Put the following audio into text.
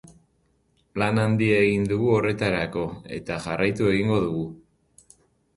Lan handia egin dugu horretarako, eta jarraitu egingo dugu.